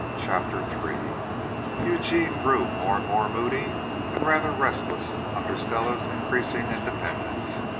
CHAPTER III Eugene grew more and more moody and rather restless under Stella's increasing independence.